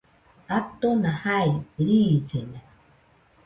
Atona jai, riillena